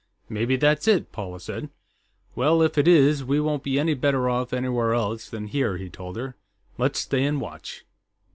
"Maybe that's it," Paula said. "Well, if it is, we won't be any better off anywhere else than here," he told her. "Let's stay and watch."